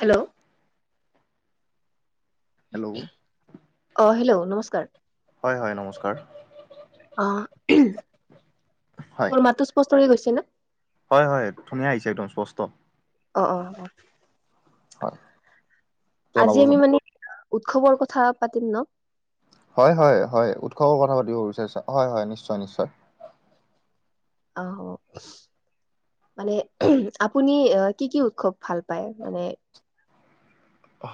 Hello. Hello অ hello নমস্কাৰ। হয় হয় নমস্কাৰ। অঁহ, হয় মোৰ মাতটো স্পষ্ট হৈ গৈছে না? হয় হয়, ধুনীয়া আহিছে একদম স্পষ্ট। অঁ অঁ অঁহ। হয়। আজি আমি জনাবচোন মানে উৎসৱৰ কথা পাতিম ন? হয় হয় হয়। উৎসৱৰ কথা পাতিব বিচাৰিছা, হয় হয় নিশ্চয় নিশ্চয়। আহ হ'ব। মানে আপুনি কি কি উৎসৱ ভাল পায়? মানে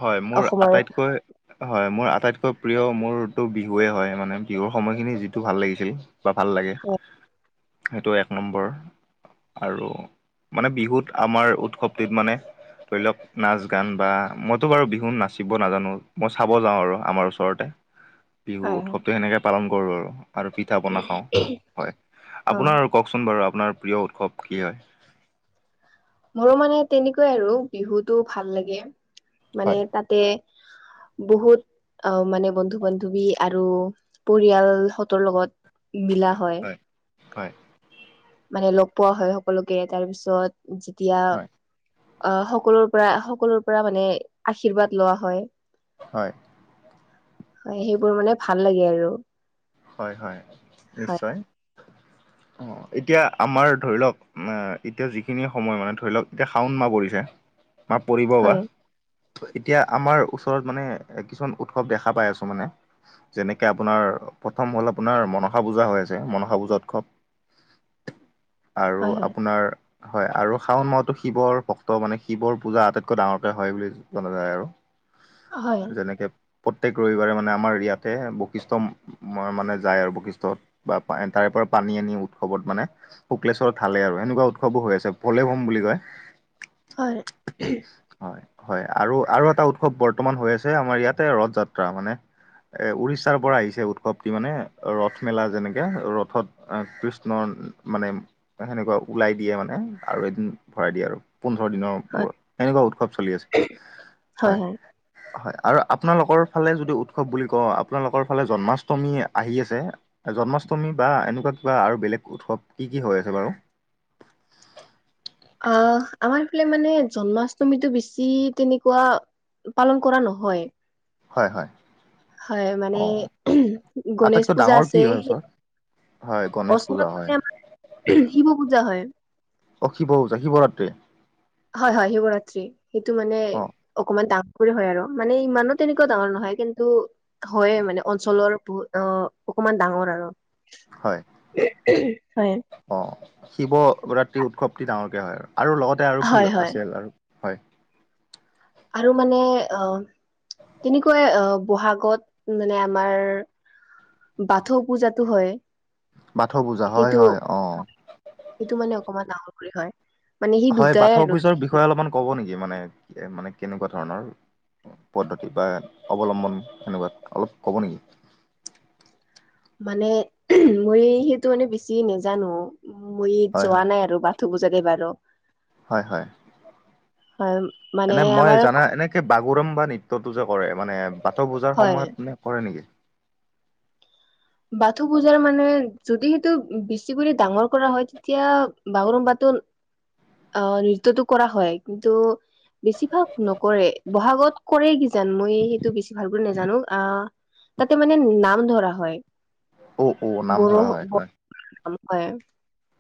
হয় মোৰ অসমৰ আটাইতকৈ হয় মোৰ আটাইতকৈ প্ৰিয় মোৰতটো বিহুৱেই হয় মানে, বিহুৰ সময়খিনি যিটো ভাল লাগিছিল। বা ভাল লাগে, হয় সেইটো এক নম্বৰ আৰু মানে বিহুত আমাৰ উৎসৱটিত মানে ধৰি লওক, নাচ-গান বা মইতো বাৰু বিহু নাচিব নাজানো। মই চাব যাওঁ আৰু আমাৰ ওচৰতে। বিহু হয় উৎসৱটো সেনেকে পালন কৰো আৰু। আৰু পিঠা-পনা খাওঁ, হয়। অ আপোনাৰ কওকচোন বাৰু আপোনাৰ প্ৰিয় উৎসৱ কি হয়? মোৰো মানে তেনেকুৱাই আৰু বিহুতটো ভাল লাগে, হয়। মানে তাতে বহুত আ মানে বন্ধু-বান্ধৱী আৰু পৰিয়ালহতৰ লগত, মিলা হয়। হয়। মানে লগ পোৱা হয় সকলোকে। তাৰ পিছত যেতিয়া হয়, আহ সকলোৰ পৰা, সকলোৰ পৰা মানে আশীৰ্বাদ লোৱা হয়। হয়। হয় সেইবোৰ মানে ভাল লাগে আৰু। হয় হয়, হয়। নিশ্চয় অঁ। এতিয়া আমাৰ ধৰি লওক, এতিয়া যিখিনি সময় মানে ধৰি লওক এতিয়া শাউন মা পৰিছে, বা পৰিব বা, হয় এতিয়া আমাৰ ওচৰত মানে, কিছুমান উৎসৱ দেখা পাই আছো মানে। যেনেকে আপোনাৰ প্ৰথম হ'ল আপোনাৰ মনসা পূজা হৈ আছে, মনসা পূজা উৎসৱ আৰু হয় হয় আপোনাৰ হয় আৰু শাওণ মাহতো শিৱৰ ভক্ত মানে, শিৱৰ পূজা আটাইতকৈ ডাঙৰকে হয় বুলি জনা যায় হয় আৰু। যেনেকে প্ৰত্যেক ৰবিবাৰে মানে আমাৰ ইয়াতে বৈশিষ্টম ম মানে যায় আৰু বৈশিষ্টত বা তাৰে পৰা পানী আনি উৎসৱত মানে শুক্লেশ্বৰত থালে আৰু এনেকুৱা উৎসৱো হৈ আছে, ভলেবোম বুলি কয়। হয়। [unintelligible] হয় হয় আৰু আৰু এটা উৎসৱ বৰ্তমান হৈ আছে আমাৰ ইয়াতে ৰথ যাত্ৰা, মানে এ উৰিষ্যাৰ পৰা আহিছে উৎস শক্তি মানে, ৰথ মেলা যেনেকে ৰথত আহ কৃষ্ণৰ মানে সেনেকুৱা ওলাই দিয়ে মানে, আৰু এদিন ভৰাই দিয়ে আৰু, পোন্ধৰ দিনৰ হয় মোৰ, এনেকুৱা উৎসৱ চলি আছে হয়। হয় আৰু আপোনালোকৰ ফালে যদি উৎসৱ বুলি কওঁ, আপোনালোকৰ ফালে জন্মাষ্ট ষ্টমী আহি আছে, জন্মাষ্টমী বা এনেকুৱা কিবা আৰু বেলেগ উৎসৱ কি কি হৈ আছে বাৰু? আঁহ, আমাৰ ফালে মানে জন্মাষ্টমীটো বিছি তেনেকুৱা পালন কৰা নহয়। হয় হয়। হয় মানে অ'। গণেশ আটাইতকৈ পূজা ডাঙৰ কি আছে। হয় ওচৰত হয় গণেশ ওচৰত পূজা হয় মানে আমাৰ শিৱ পূজা হয়। অ শিৱ পূজা, শিৱৰাত্ৰি? হয় হয় শিৱৰাত্ৰি। সেইটো মানে অ'। অকমান ডাঙৰ ৰে হয় আৰু মানে ইমানো তেনেকুৱা ডাঙৰ নহয় কিন্তু হয়ে মানে অঞ্চলৰ বহুত অ অকমান ডাঙৰ হয় আৰু। হয়। অ শিৱৰাত্ৰি উৎসৱটি ডাঙৰকে হয় আৰু আৰু লগতে আৰু কি হয় হয় আছে আৰু। হয় আৰু মানে অ তেনেকুৱাই অ বহাগত মানে আমাৰ বাথৌ পূজাতো হয়। বাথৌ পূজা, হয় সেইটো হয় অ। সেইটো মানে অকমান ডাঙৰ কৰি হয়। মানে সি হয় দুটাই বাথৌৰ আৰু পূজাৰ বিষয়ে অলপমান ক'ব নেকি মানে মানে কেনেকুৱা ধৰণৰ পদ্ধতি বা অৱলম্বন কেনেকুৱা অলপ ক'ব নেকি? মানে মই সেইটো মানে বেছি নেজানো। মই হয় হয় যোৱা নাই আৰু বাথ থৌ পূজা দেই বাৰু। হয় হয়। হয়। মানে এনে মই আমাৰ জানা এনেকে বাগুৰুম্বা নৃত্যটো যে কৰে মানে বাথৌ পূজাৰ হয় সময়ত মানে কৰে নেকি? বাথৌ পুজাৰ মানে যদি সেইটো বেছিকৰি ডাঙৰ কৰা হয় তেতিয়া বাগুৰুম্বা টো অ নৃত্যটো কৰা হয় কিন্তু বেছিভাগ নকৰে। বহাগত কৰে কি জাত মই সেইটো বেছি ভাল কৈ নাজানো আহ তাতে মানে নাম ধৰা হয়। অ অ নাম ধৰা হয় হয়। অম হয়।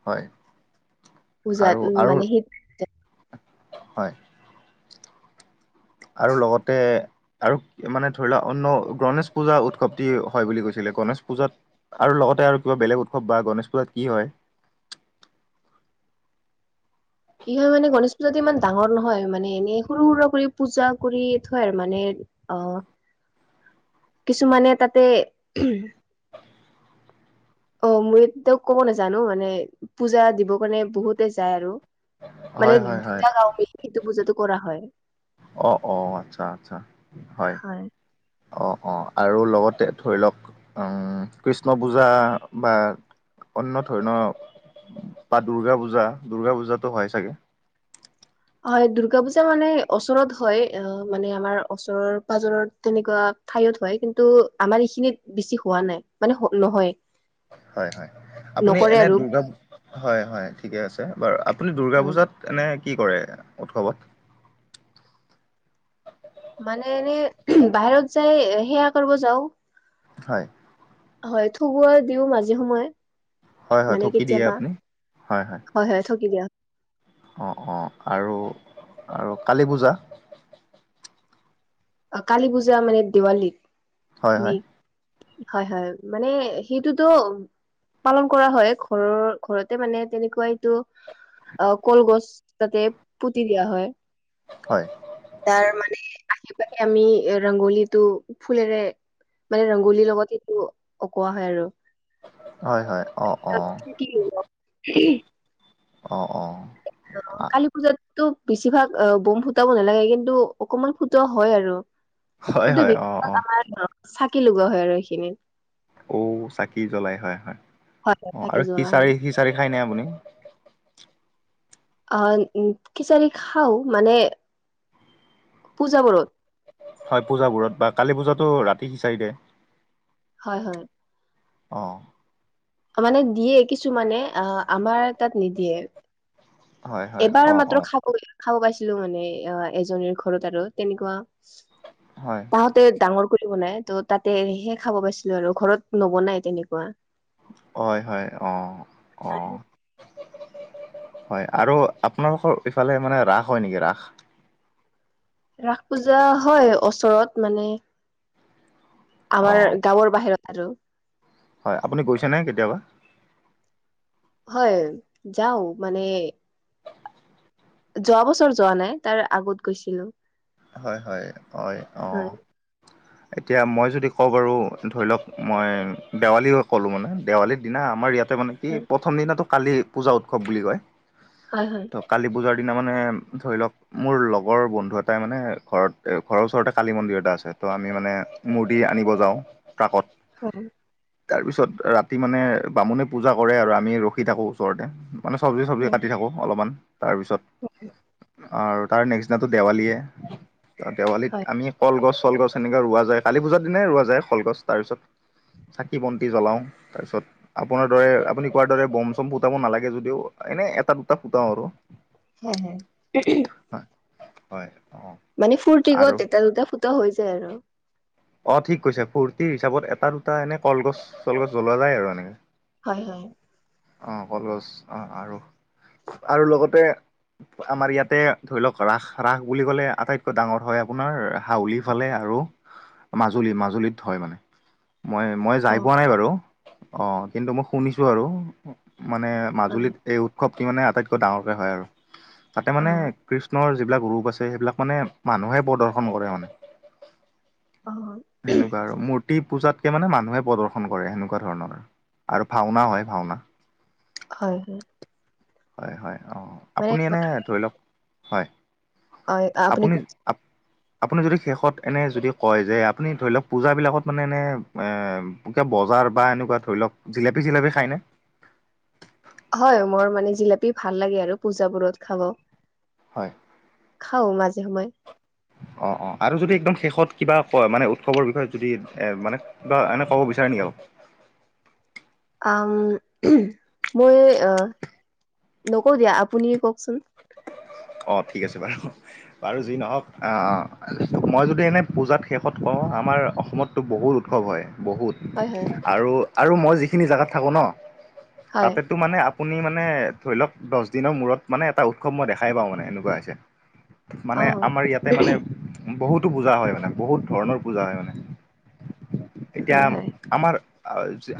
হয় পূজাত উম আৰু-আৰু মানে সেই হয়। আৰু লগতে আৰু মানে ধৰি লোৱা অন্ন গণেশ পূজা উৎসৱটি হয় বুলি কৈছিলে গণেশ পূজাত আৰু লগতে আৰু কিবা বেলেগ উৎসৱ বা গণেশ পূজাত কি হয়? কি হয় মানে গণেশ পূজাটো ইমান ডাঙৰ নহয় মানে এনেই সৰু সুৰা কৰি পূজা কৰি থয় আৰু মানে। অহ কিছুমানে তাতে অ মই ত ক'ব নাজানো, মানে পূজা দিবৰ কাৰণে বহুতে যায় আৰু। মানে হয় হয় হয় দুটা গাঁও মিলি এইটো পূজাটো কৰা হয়। অ, অ, আচ্ছা আচ্ছা হয়। অ অ আৰু লগতে ধৰি লওক। উম কৃষ্ণ পূজা বা অন্য ধৰণৰ বা দুৰ্গা পূজা দূৰ্গা পূজাতো হয় চাগে? হয় দুৰ্গা পূজা মানে, ওচৰত হয়। অহ মানে আমাৰ ওচৰৰ পাজৰত তেনেকুৱা ঠাইত হয়। কিন্তু আমাৰ এইখিনিত বেছি হোৱা নাই, মানে নহয়। হয় হয়। আপুনি নকৰে এনে আৰু দুৰ্গা, হয় হয় ঠিকে আছে বাৰু আপুনি দুৰ্গা হয়। পূজাত এনে কি কৰে উৎসৱত মানে এনে বাহিৰত যাই সেয়া কৰিব যাওঁ। হয়। হয় থগিৱ দিও, মাজে সময়ে হয় হয় মানে ঢকি দিয়ে কেতিয়াবা। আপুনি হয় হয় ঠগি দিয়া অ অ আৰু- আৰু কালী পূজা? কালী পূজা মানে, দিৱালীত হয় নে? হয় হয় হয়, মানে সেইটোতো পালন কৰা হয়, ঘৰৰ ঘৰতে মানে তেনেকুৱা এইটো অ কলগছ তাতে পুতি দিয়া হয়। হয়। তাৰ মানে তে আমি এ ৰংগলী টো ফুলেৰে মানে, ৰংগোলীৰ লগত সেইটো অকোৱা হয় আৰু। হয়-হয় অ, অ, তাৰপিছত কি অ? অঁ, অঁ, অ, কালী পূজাতো বেছিভাগ বম ফুটাব নালাগে কিন্তু অকনমান ফুটোৱা হয় আৰু। হয় কিন্তু হয় অঁ বিশেষ, অঁ আমাৰ চাকি লগোৱা হয় আৰু সেইখিনিত। ঔ, চাকি জ্বলাই হয়-হয়। হয় হয় অঁ, চাকি আৰু জ্বলা হয় সিচাৰি-সিচাৰি খাই নে আপুনি? অ, খিচাৰি খাও মানে পূজাবোৰত। হয়। পূজাবোৰত বা কালী পূজাটো ৰাতি সিচাৰি দে। হয়-হয়। অ', মানে দিয়ে কিছু মানে অ, আমাৰ তাত নিদিয়ে। হয় হয় এবাৰ অঁ মাত্ৰ অঁ খাব খাব পাইছিলো, মানে এ এজনীৰ ঘৰত আৰু তেনেকুৱা। হয়। তাহতে ডাঙৰ কৰি বনাই। ত তাতেহে খাব পাইছিলো আৰু ঘৰত নবনাই তেনেকুৱা। হয়-হয়। অ, অ, হয়। আৰু আপোনালোকৰ ইফালে মানে ৰাস হয় নেকি ৰাস? ৰাস পূজা হয়। ওচৰত মানে অ আমাৰ গাঁৱৰ বাহিৰত। আৰু হয়। আপুনি গৈছে নে কেতিয়াবা? হয়, যাও মানে যোৱা বছৰ যোৱা নাই, তাৰ আগত গৈছিলো। হয়-হয়-হয় অ, [inaudible] এতিয়া মই যদি কওঁ বাৰু ধৰি লওক মই দেৱালী ক'লোঁ মানে দেৱালীৰ দিনা আমাৰ ইয়াত তাতে মানে কি, হয় প্ৰথম দিনো কালি পূজা উৎসৱ বুলি কয়। হয়-হয়। ত' কালি পূজাৰ দিনা মানে ধৰি লওক, মোৰ লগৰ বন্ধুত এটা তাই মানে ঘৰত অ‌, ঘৰৰ ওচৰতে কালী মন্দিৰ এটা আছে ত' আমি মানে মূৰ্তি আনিব যাওঁ। ট্ৰাকত, হয়। তাৰ পিছত ৰাতি মানে, বামুণে পূজা কৰে আৰু আমি ৰখি থাকো ওচৰতে। মানে চব্জি-চব্জি হয় কাটি থাকোঁ অলপমান তাৰপিছত আৰু তাৰ নেক্সত দিনাটো দেৱালীয়ে। দেৱালীত হয় আমি কলগছ, চলগছ তেনেকে ৰোৱা যায় কালি পূজাৰ দিনাই ৰোৱা যায়। কলগছ তাৰ পিছত চাকি বন্তি জ্বলাও তাৰ পিছত আপোনাৰ দৰে আপুনি কোৱাৰ দৰে বম চম ফুটাব নালাগে যদিও এনে এটা দুটা ফুটাও আৰু। হে হে [unintelligible] হয়-হয়। মানে ফূৰ্তি গত এটা দুটা ফুটা হৈ যায় আৰু। অ, ঠিক কৈছে ফূৰ্তিৰ হিচাপত এটা দুটা এনে কলগছ চলগছ জ্বলোৱা যায় আৰু এনেকে। হয়-হয়। অ, কলজ অ, আৰু আৰু লগতে আমাৰ ইয়াতে ধৰি লওক ৰাস-ৰাস বুলি ক'লে আটাইতকৈ ডাঙৰ হয় আপোনাৰ হাউলি ফালে আৰু। মাজুলী-মাজুলীত হয় মানে মই-মই অ যাই পোৱা নাই বাৰু। অ, কিন্তু মই শুনিছো আৰু মানে হয় মাজুলীত এই উৎসৱটি মানে আটাইতকৈ ডাঙৰকে হয় আৰু তাতে অ মানে কৃষ্ণৰ যিবিলাক ৰূপ আছে সেইবিলাক মানে মানুহে প্ৰদৰ্শন কৰে মানে। হয়। সেনেকুৱা আৰু মূৰ্তি পূজাতকে মানে মানুহে প্ৰদৰ্শন কৰে সেনেকুৱা ধৰণৰ- আৰু ভাওনাও, হয় ভাওনা। হয় হয়। হয় হয় অঁ মানে আপুনি এনে ধৰি লওক হয়। আপুনি আপুনি যদি শেষত এনে যদি কয় যে আপুনি ধৰি লওঁক পূজাবিলাকত মানে এনে কিয় বজাৰ বা এনেকুৱা ধৰি লওক- জিলাপী জিলাপী খায়নে। হয় মোৰ মানে জিলাপী, ভাল লাগে। আৰু পূজাবোৰত খাব। হয়। খাওঁ মাজে সময়ে অঁ অঁ আৰু যদি একদম শেষত কিবা ক মানে উৎসৱৰ, বিষয়ে যদি এ মানে- বা এনেই কব বিচাৰে নেকি আকৌ? উম মই নকওঁ দিয়া আপুনি কওকচোন- অ ঠিক আছে বাৰু বাৰু যি নহওক মই যদি এনে পূজাত শেষত কওঁ আমাৰ অসমত টো বহুত উৎসৱ, হয় বহুত। হয়, হয়, আৰু আৰু মই যিখিনি জাগাত থাকো ন হয়, তাতে- টো মানে আপুনি মানে ধৰি লওক দহ দিনৰ মূৰত মানে এটা উৎসৱ মই দেখা- খাই পাওঁ মানে এনেকুৱা হৈছে, মানে অ'। আমাৰ ইয়াতে মানে- বহুতো পূজা হয় মানে বহুত ধৰণৰ পূজা হয় মানে, হয়, এতিয়া- হয়, আমাৰ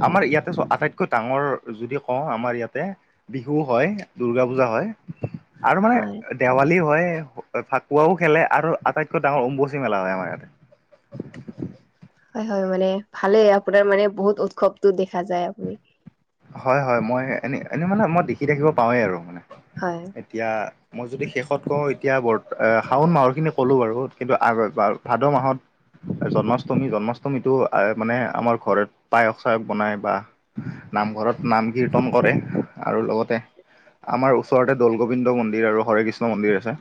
আমাৰ ইয়াতে চ আটাইতকৈ ডাঙৰ যদি কওঁ আমাৰ ইয়াতে- বিহু, হয় দুৰ্গা, পূজা হয় আৰু হয়, মানে- দেৱালী হয় ফাকুৱাও খেলে আৰু আটাইতকৈ ডাঙৰ উম্বচি, মেলা হয়, আমাৰ ইয়াতে- [inaudible] হয় হয় মানে ভালে আপোনাৰ মানে বহুত উৎসৱতটো দেখা যায় আপুনি। হয় হয় মই এনে এনেই মানে মই দেখি থাকিব পাওঁৱেই আৰু মানে। হয়। এতিয়া। মই যদি শেষত কওঁ এতিয়া বৰ শাওণ মাহৰ খিনি ক'লো বাৰু কিন্তু আ ভাদ মাহত- জন্মাষ্টমী, জন্মাষ্টমীতটো, মানে আমাৰ ঘৰত পায়স চায়স বনাই বা- নামঘৰত, নাম, কীৰ্তন, কৰে। আৰু লগতে আমাৰ ওচৰতে দৌল, গোবিন্দ মন্দিৰ আৰু হৰে, কৃষ্ণ মন্দিৰ আছে।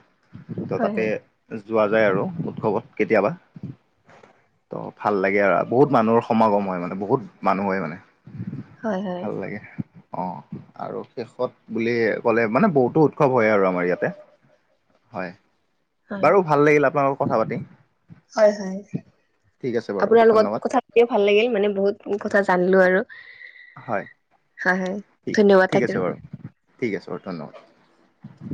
ত হয়, হয়, তাতে- যোৱা যায় আৰু উৎসৱত, কেতিয়াবা। ত' ভাল লাগে আৰু বহুত মানুহৰ সমাগম হয় মানে বহুত মানুহ হয় মানে। হয় হয়। ভাল লাগে। অঁ আৰু শেষত বুলি ক'লে মানে বহুতো উৎসৱ হয় আৰু আমাৰ ইয়াতে। হয়, হয়, বাৰু ভাল লাগিল আপোনাল লগত কথা পাতি। হয় হয়, ঠিক আছে বাৰু আপোনাৰ লগত ধন্যবাদ কথা তিও ভাল লাগিল মানে বহুত কথা জানিলো আৰু। হয় হয় হয় ঠিক ধন্যবাদ ঠিক থাকিল। আছে বাৰু ঠিক আছে বাৰু ধন্যবাদ।